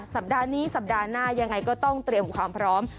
สัปดาห์นี้สัปดาห์หน้ายังไงก็ต้องเตรียมความพร้อม